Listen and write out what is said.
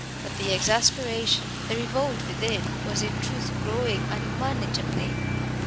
But the exasperation, the revolt within, was in truth growing unmanageably.